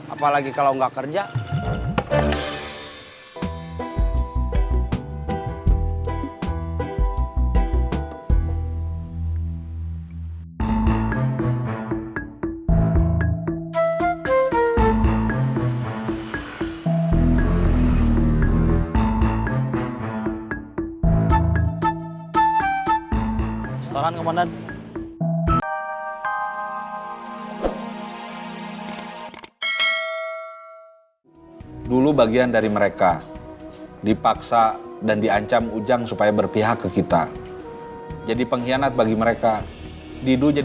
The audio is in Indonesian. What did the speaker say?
apalagi kalau nggak kerja